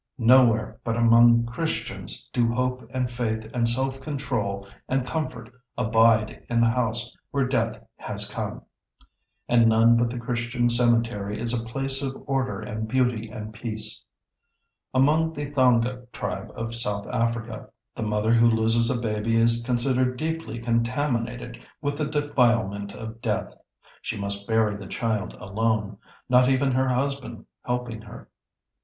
Nowhere but among Christians do hope and faith and self control and comfort abide in the house where death has come, and none but the Christian cemetery is a place of order and beauty and peace. Among the Thonga Tribe of South Africa, the mother who loses a baby is considered deeply contaminated with the defilement of death. She must bury the child alone, not even her husband helping her.